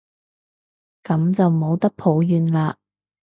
噉就冇得抱怨喇